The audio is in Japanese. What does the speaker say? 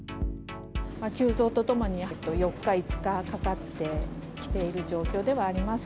急増とともに、４日、５日かかってきている状況ではあります。